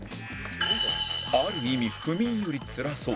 ある意味不眠よりつらそう